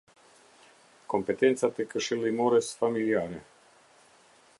Kompetencat e këshillimores familjare.